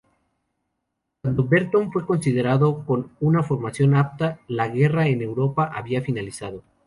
Cuando Berton fue considerado con una formación apta, la guerra en Europa había finalizado.